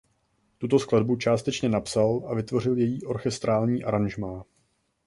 Tuto skladbu částečně napsal a vytvořil její orchestrální aranžmá.